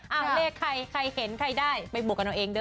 เอาเลขใครใครเห็นใครได้ไปบวกกันเอาเองเด้อ